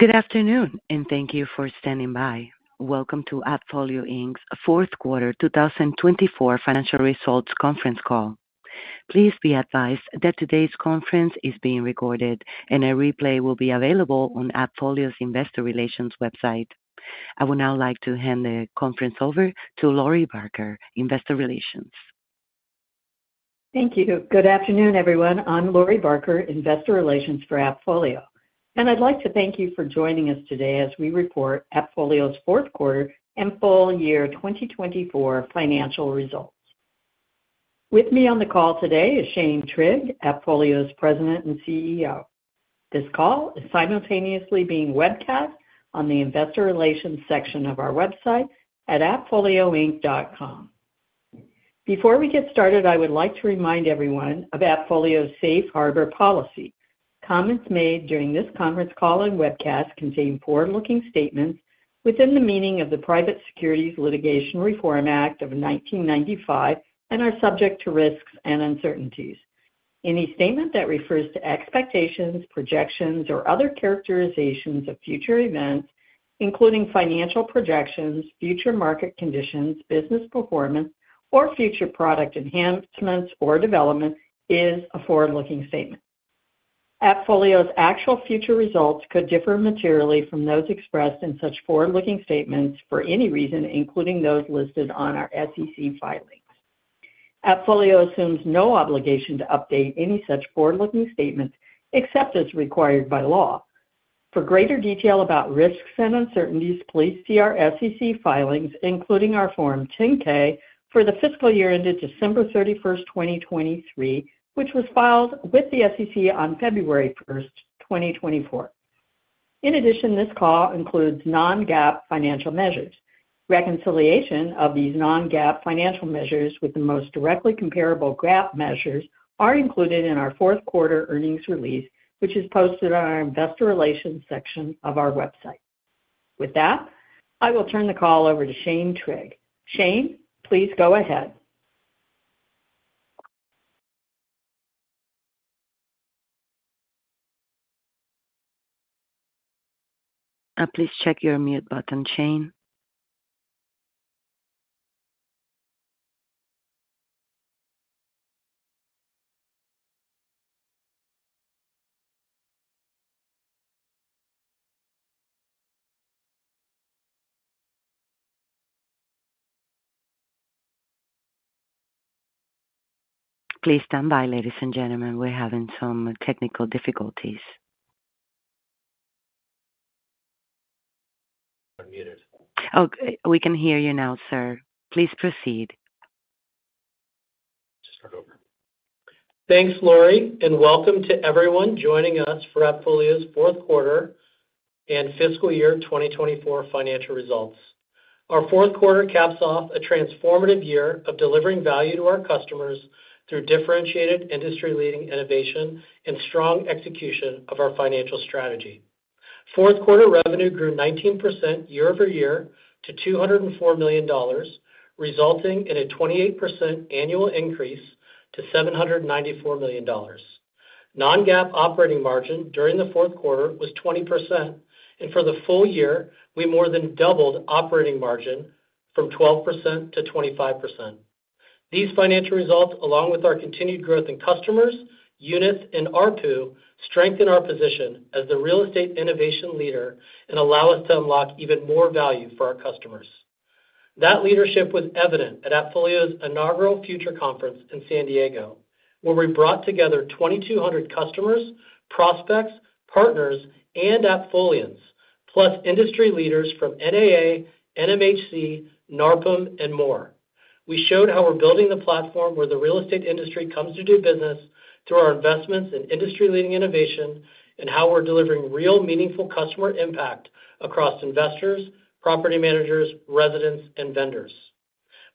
Good afternoon, and thank you for standing by. Welcome to AppFolio Inc.'s fourth quarter 2024 financial results conference call. Please be advised that today's conference is being recorded, and a replay will be available on AppFolio's Investor Relations website. I would now like to hand the conference over to Lori Barker, Investor Relations. Thank you. Good afternoon, everyone. I'm Lori Barker, Investor Relations for AppFolio, and I'd like to thank you for joining us today as we report AppFolio's fourth quarter and full year 2024 financial results. With me on the call today is Shane Trigg, AppFolio's President and CEO. This call is simultaneously being webcast on the Investor Relations section of our website at appfolioinc.com. Before we get started, I would like to remind everyone of AppFolio's Safe Harbor policy. Comments made during this conference call and webcast contain forward-looking statements within the meaning of the Private Securities Litigation Reform Act of 1995 and are subject to risks and uncertainties. Any statement that refers to expectations, projections, or other characterizations of future events, including financial projections, future market conditions, business performance, or future product enhancements or development, is a forward-looking statement. AppFolio's actual future results could differ materially from those expressed in such forward-looking statements for any reason, including those listed on our SEC filings. AppFolio assumes no obligation to update any such forward-looking statements except as required by law. For greater detail about risks and uncertainties, please see our SEC filings, including our Form 10-K for the fiscal year ended December 31, 2023, which was filed with the SEC on February 1, 2024. In addition, this call includes non-GAAP financial measures. Reconciliation of these non-GAAP financial measures with the most directly comparable GAAP measures is included in our fourth quarter earnings release, which is posted on our Investor Relations section of our website. With that, I will turn the call over to Shane Trigg. Shane, please go ahead. Please check your mute button, Shane. Please stand by, ladies and gentlemen. We're having some technical difficulties. Unmuted. Oh, we can hear you now, sir. Please proceed. Just start over. Thanks, Lori, and welcome to everyone joining us for AppFolio's fourth quarter and fiscal year 2024 financial results. Our fourth quarter caps off a transformative year of delivering value to our customers through differentiated industry-leading innovation and strong execution of our financial strategy. Fourth quarter revenue grew 19% year-over-year to $204 million, resulting in a 28% annual increase to $794 million. Non-GAAP operating margin during the fourth quarter was 20%, and for the full year, we more than doubled operating margin from 12% to 25%. These financial results, along with our continued growth in customers, units, and ARPU, strengthen our position as the real estate innovation leader and allow us to unlock even more value for our customers. That leadership was evident at AppFolio's inaugural Future conference in San Diego, where we brought together 2,200 customers, prospects, partners, and AppFolians, plus industry leaders from NAA, NMHC, NARPM, and more. We showed how we're building the platform where the real estate industry comes to do business through our investments in industry-leading innovation and how we're delivering real, meaningful customer impact across investors, property managers, residents, and vendors.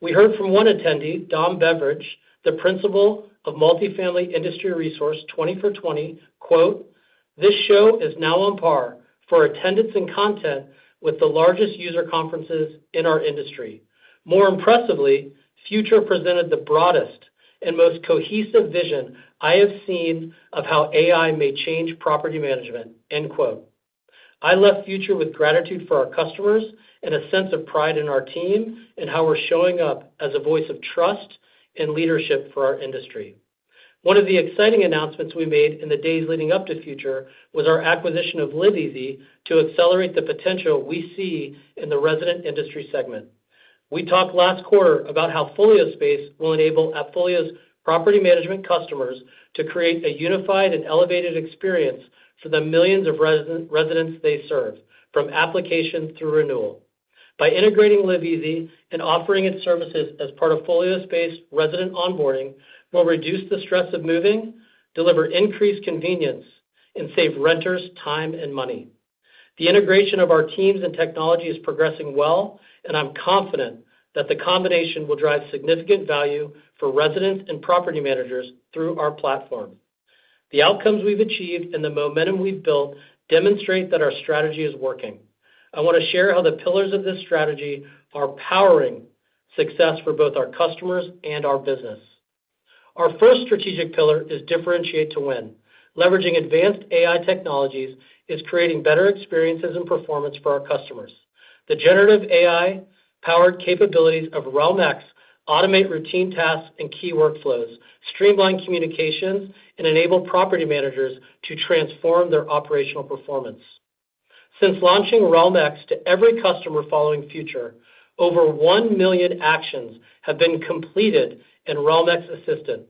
We heard from one attendee, Dom Beveridge, the principal of multifamily industry resource 20for20, quote, "This show is now on par for attendance and content with the largest user conferences in our industry. More impressively, Future presented the broadest and most cohesive vision I have seen of how AI may change property management," end quote. I left Future with gratitude for our customers and a sense of pride in our team and how we're showing up as a voice of trust and leadership for our industry. One of the exciting announcements we made in the days leading up to Future was our acquisition of LiveEasy to accelerate the potential we see in the resident industry segment. We talked last quarter about how FolioSpace will enable AppFolio's property management customers to create a unified and elevated experience for the millions of residents they serve, from application through renewal. By integrating LiveEasy and offering its services as part of FolioSpace resident onboarding, we'll reduce the stress of moving, deliver increased convenience, and save renters time and money. The integration of our teams and technology is progressing well, and I'm confident that the combination will drive significant value for residents and property managers through our platform. The outcomes we've achieved and the momentum we've built demonstrate that our strategy is working. I want to share how the pillars of this strategy are powering success for both our customers and our business. Our first strategic pillar is differentiate to win. Leveraging advanced AI technologies is creating better experiences and performance for our customers. The generative AI-powered capabilities of Realm-X automate routine tasks and key workflows, streamline communications, and enable property managers to transform their operational performance. Since launching Realm-X to every customer following Future, over 1 million actions have been completed in Realm-X Assistant,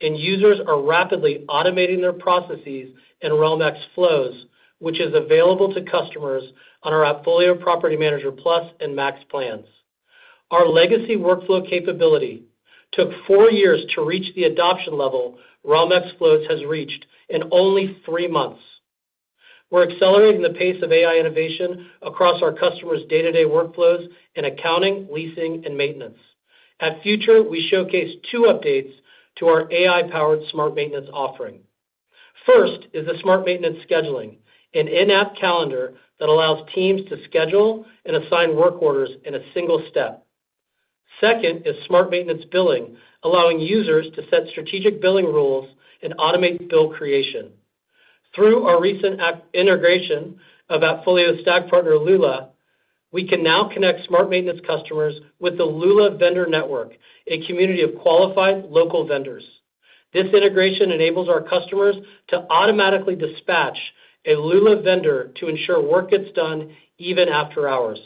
and users are rapidly automating their processes in Realm-X Flows, which is available to customers on our AppFolio Property Manager Plus and Max plans. Our legacy workflow capability took four years to reach the adoption level Realm-X Flows has reached in only three months. We're accelerating the pace of AI innovation across our customers' day-to-day workflows in accounting, leasing, and maintenance. At Future, we showcase two updates to our AI-powered Smart Maintenance offering. First is the Smart Maintenance scheduling, an in-app calendar that allows teams to schedule and assign work orders in a single step. Second is Smart Maintenance billing, allowing users to set strategic billing rules and automate bill creation. Through our recent integration of AppFolio's Stack partner, Lula, we can now connect Smart Maintenance customers with the Lula Vendor Network, a community of qualified local vendors. This integration enables our customers to automatically dispatch a Lula vendor to ensure work gets done even after hours.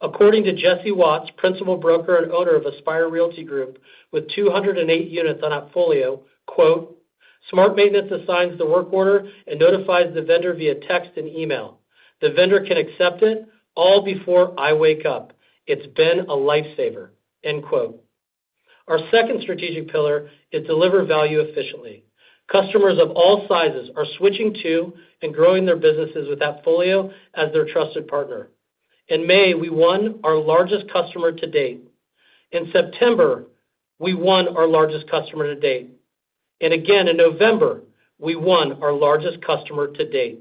According to Jesse Watts, principal broker and owner of Aspire Realty Group, with 208 units on AppFolio, quote, "Smart Maintenance assigns the work order and notifies the vendor via text and email. The vendor can accept it all before I wake up. It's been a lifesaver," end quote. Our second strategic pillar is deliver value efficiently. Customers of all sizes are switching to and growing their businesses with AppFolio as their trusted partner. In May, we won our largest customer to date. In September, we won our largest customer to date. And again, in November, we won our largest customer to date.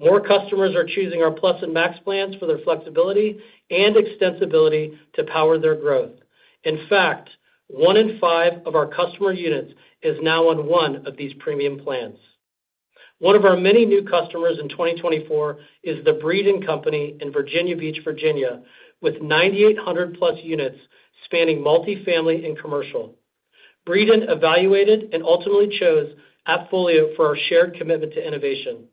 More customers are choosing our Plus and Max plans for their flexibility and extensibility to power their growth. In fact, one in five of our customer units is now on one of these premium plans. One of our many new customers in 2024 is The Breeden Company in Virginia Beach, Virginia, with 9,800-plus units spanning multifamily and commercial. Breeden evaluated and ultimately chose AppFolio for our shared commitment to innovation.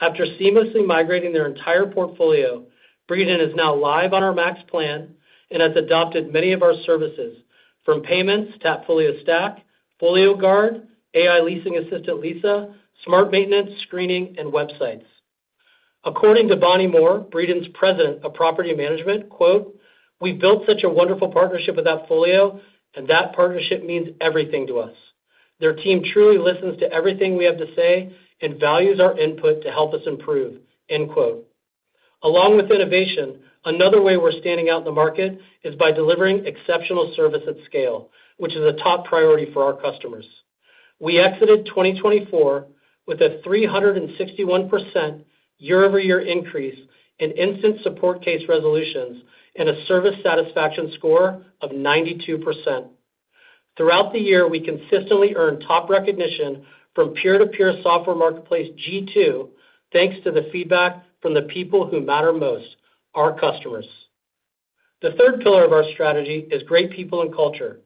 After seamlessly migrating their entire portfolio, Breeden is now live on our Max plan and has adopted many of our services, from payments to AppFolio Stack, FolioGuard, AI Leasing Assistant Lisa, Smart Maintenance screening, and websites. According to Bonnie Moore, Breeden's president of property management, quote, "We've built such a wonderful partnership with AppFolio, and that partnership means everything to us. Their team truly listens to everything we have to say and values our input to help us improve," end quote. Along with innovation, another way we're standing out in the market is by delivering exceptional service at scale, which is a top priority for our customers. We exited 2024 with a 361% year-over-year increase in instant support case resolutions and a service satisfaction score of 92%. Throughout the year, we consistently earned top recognition from peer-to-peer software marketplace G2, thanks to the feedback from the people who matter most, our customers. The third pillar of our strategy is great people and culture.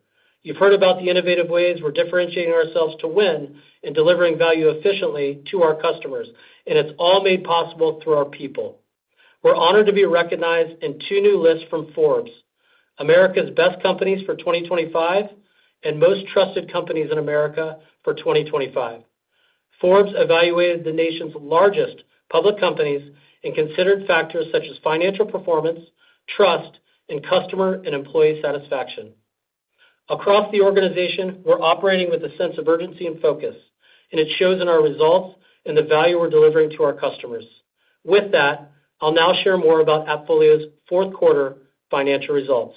You've heard about the innovative ways we're differentiating ourselves to win and delivering value efficiently to our customers, and it's all made possible through our people. We're honored to be recognized in two new lists from Forbes: America's Best Companies for 2025 and Most Trusted Companies in America for 2025. Forbes evaluated the nation's largest public companies and considered factors such as financial performance, trust, and customer and employee satisfaction. Across the organization, we're operating with a sense of urgency and focus, and it shows in our results and the value we're delivering to our customers. With that, I'll now share more about AppFolio's fourth quarter financial results.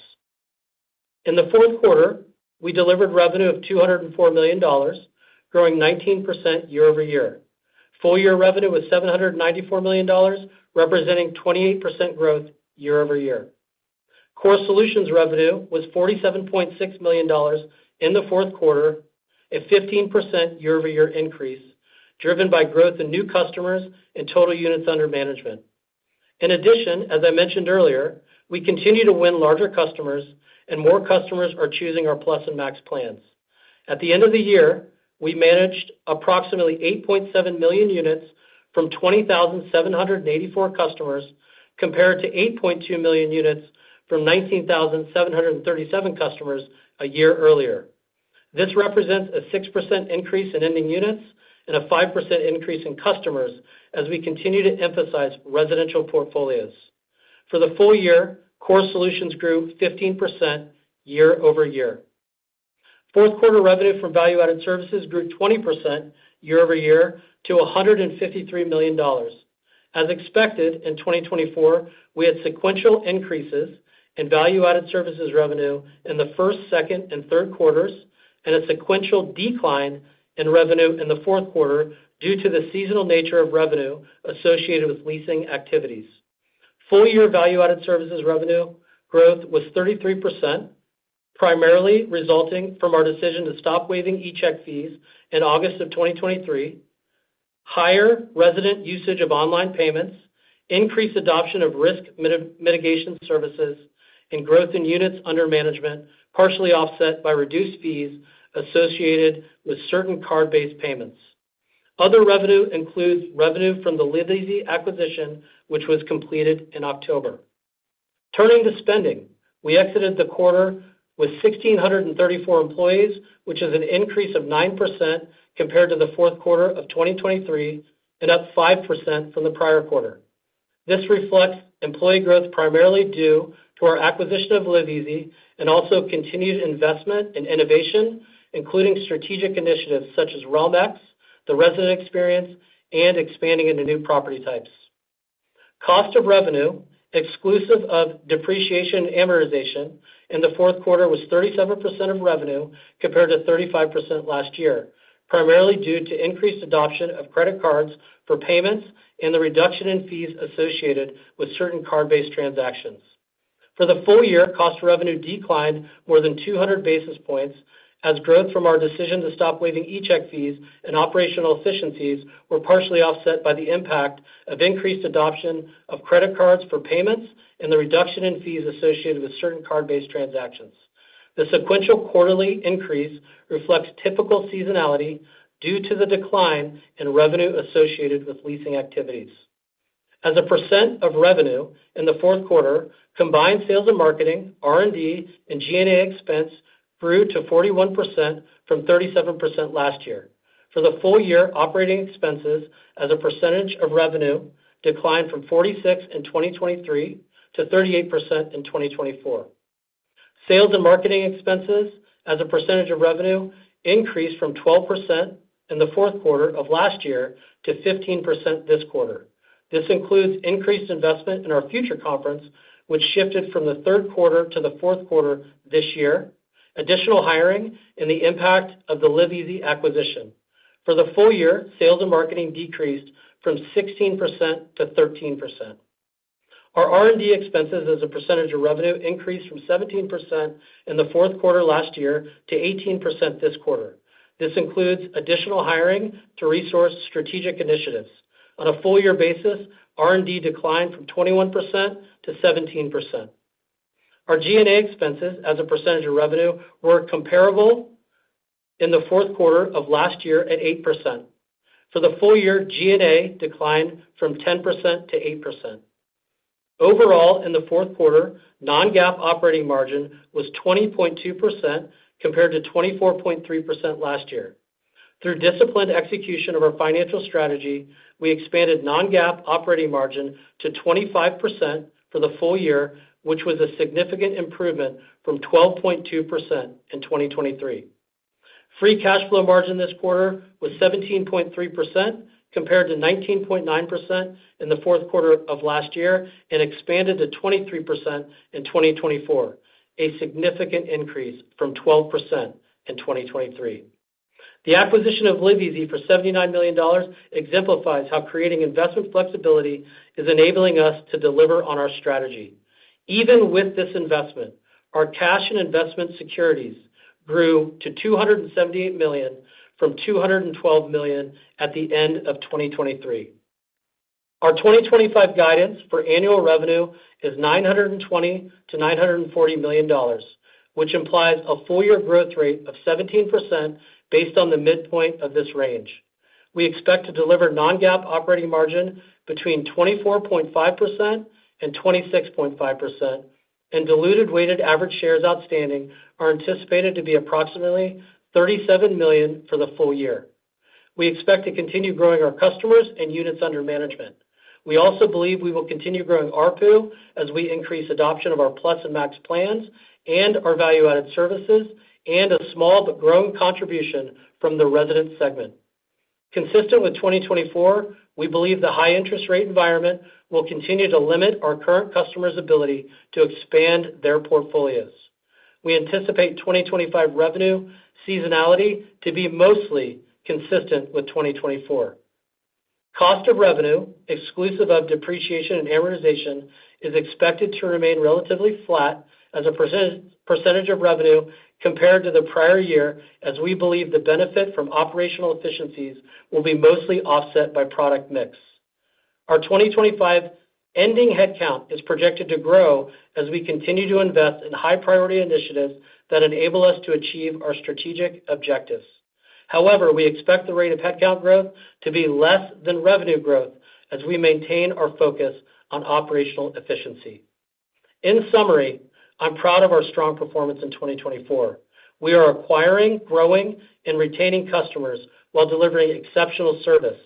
In the fourth quarter, we delivered revenue of $204 million, growing 19% year-over-year. Full year revenue was $794 million, representing 28% growth year-over-year. Core Solutions revenue was $47.6 million in the fourth quarter, a 15% year-over-year increase driven by growth in new customers and total units under management. In addition, as I mentioned earlier, we continue to win larger customers, and more customers are choosing our Plus and Max plans. At the end of the year, we managed approximately 8.7 million units from 20,784 customers, compared to 8.2 million units from 19,737 customers a year earlier. This represents a 6% increase in ending units and a 5% increase in customers as we continue to emphasize residential portfolios. For the full year, Core Solutions grew 15% year-over-year. Fourth quarter revenue from value-added services grew 20% year-over-year to $153 million. As expected in 2024, we had sequential increases in value-added services revenue in the first, second, and third quarters, and a sequential decline in revenue in the fourth quarter due to the seasonal nature of revenue associated with leasing activities. Full year value-added services revenue growth was 33%, primarily resulting from our decision to stop waiving eCheck fees in August of 2023, higher resident usage of online payments, increased adoption of risk mitigation services, and growth in units under management, partially offset by reduced fees associated with certain card-based payments. Other revenue includes revenue from the LiveEasy acquisition, which was completed in October. Turning to spending, we exited the quarter with 1,634 employees, which is an increase of 9% compared to the fourth quarter of 2023 and up 5% from the prior quarter. This reflects employee growth primarily due to our acquisition of LiveEasy and also continued investment in innovation, including strategic initiatives such as Realm-X, the resident experience, and expanding into new property types. Cost of revenue, exclusive of depreciation and amortization in the fourth quarter, was 37% of revenue compared to 35% last year, primarily due to increased adoption of credit cards for payments and the reduction in fees associated with certain card-based transactions. For the full year, cost of revenue declined more than 200 basis points as growth from our decision to stop waiving eCheck fees and operational efficiencies was partially offset by the impact of increased adoption of credit cards for payments and the reduction in fees associated with certain card-based transactions. The sequential quarterly increase reflects typical seasonality due to the decline in revenue associated with leasing activities. As a % of revenue in the fourth quarter, combined sales and marketing, R&D, and G&A expense grew to 41% from 37% last year. For the full year, operating expenses as a % of revenue declined from 46% in 2023 to 38% in 2024. Sales and marketing expenses as a % of revenue increased from 12% in the fourth quarter of last year to 15% this quarter. This includes increased investment in our Future Conference, which shifted from the third quarter to the fourth quarter this year, additional hiring, and the impact of the LiveEasy acquisition. For the full year, sales and marketing decreased from 16% to 13%. Our R&D expenses as a % of revenue increased from 17% in the fourth quarter last year to 18% this quarter. This includes additional hiring to resource strategic initiatives. On a full year basis, R&D declined from 21% to 17%. Our G&A expenses as a percentage of revenue were comparable in the fourth quarter of last year at 8%. For the full year, G&A declined from 10% to 8%. Overall, in the fourth quarter, Non-GAAP operating margin was 20.2% compared to 24.3% last year. Through disciplined execution of our financial strategy, we expanded Non-GAAP operating margin to 25% for the full year, which was a significant improvement from 12.2% in 2023. Free cash flow margin this quarter was 17.3% compared to 19.9% in the fourth quarter of last year and expanded to 23% in 2024, a significant increase from 12% in 2023. The acquisition of LiveEasy for $79 million exemplifies how creating investment flexibility is enabling us to deliver on our strategy. Even with this investment, our cash and investment securities grew to $278 million from $212 million at the end of 2023. Our 2025 guidance for annual revenue is $920-$940 million, which implies a full year growth rate of 17% based on the midpoint of this range. We expect to deliver non-GAAP operating margin between 24.5%-26.5%, and diluted weighted average shares outstanding are anticipated to be approximately 37 million for the full year. We expect to continue growing our customers and units under management. We also believe we will continue growing our pool as we increase adoption of our Plus and Max plans and our value-added services and a small but growing contribution from the resident segment. Consistent with 2024, we believe the high interest rate environment will continue to limit our current customers' ability to expand their portfolios. We anticipate 2025 revenue seasonality to be mostly consistent with 2024. Cost of revenue, exclusive of depreciation and amortization, is expected to remain relatively flat as a percentage of revenue compared to the prior year, as we believe the benefit from operational efficiencies will be mostly offset by product mix. Our 2025 ending headcount is projected to grow as we continue to invest in high-priority initiatives that enable us to achieve our strategic objectives. However, we expect the rate of headcount growth to be less than revenue growth as we maintain our focus on operational efficiency. In summary, I'm proud of our strong performance in 2024. We are acquiring, growing, and retaining customers while delivering exceptional service,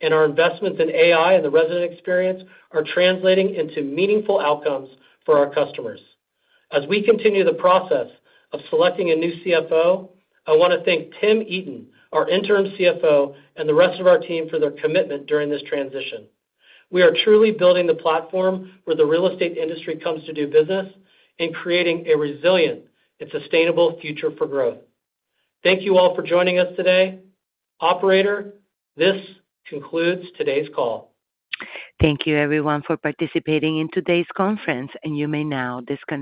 and our investments in AI and the resident experience are translating into meaningful outcomes for our customers. As we continue the process of selecting a new CFO, I want to thank Tim Eaton, our interim CFO, and the rest of our team for their commitment during this transition. We are truly building the platform where the real estate industry comes to do business and creating a resilient and sustainable future for growth. Thank you all for joining us today. Operator, this concludes today's call. Thank you, everyone, for participating in today's conference, and you may now disconnect.